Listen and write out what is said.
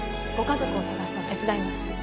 ご家族を捜すの手伝います